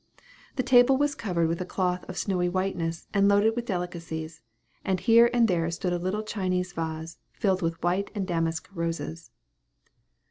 The table was covered with a cloth of snowy whiteness, and loaded with delicacies; and here and there stood a little China vase, filled with white and damask roses.